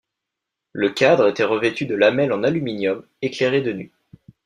Le cadre était revêtu de lamelles en aluminium éclairées de nuit.